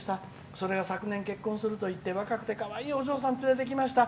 それが昨年結婚するといって若くてきれいなお嬢さんをつれてきました。